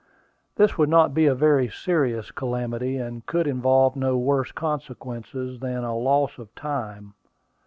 This would not be a very serious calamity, and could involve no worse consequences than a loss of time.